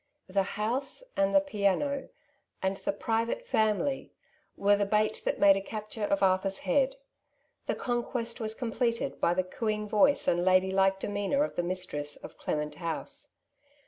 The "^ house '^ and the '' piano '' and the '' private femflj^ were the bait that made a capture of Arthur's head« The conquest was completed by the c^xAng Tcace and ladylike demeanour of the mistress of ^OenaeEt House.'